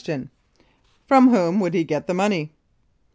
From whom would he get the money?